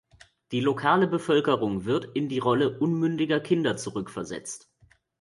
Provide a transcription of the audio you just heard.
Die lokale Bevölkerung wird in die Rolle unmündiger Kinder zurückversetzt.